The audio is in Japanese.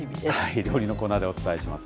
料理コーナーでお伝えします。